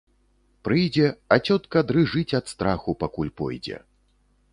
Прыйдзе, а цётка дрыжыць ад страху, пакуль пойдзе.